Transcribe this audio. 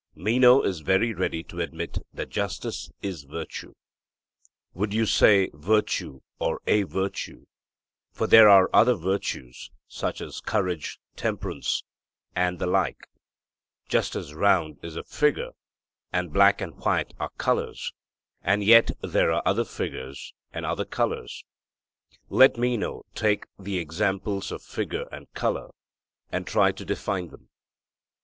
Meno is very ready to admit that justice is virtue: 'Would you say virtue or a virtue, for there are other virtues, such as courage, temperance, and the like; just as round is a figure, and black and white are colours, and yet there are other figures and other colours. Let Meno take the examples of figure and colour, and try to define them.'